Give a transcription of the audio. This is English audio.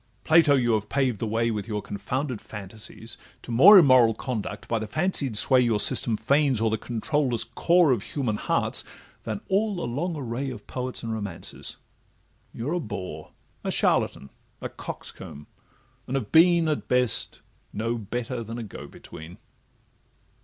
Plato! you have paved the way, With your confounded fantasies, to more Immoral conduct by the fancied sway Your system feigns o'er the controulless core Of human hearts, than all the long array Of poets and romancers:—You're a bore, A charlatan, a coxcomb—and have been, At best, no better than a go between.